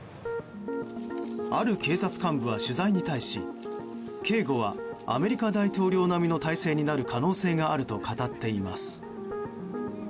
ある警察幹部は取材に対し警護はアメリカ大統領並みの態勢になる可能性があると語っています。